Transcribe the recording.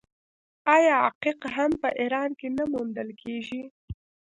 آیا عقیق هم په ایران کې نه موندل کیږي؟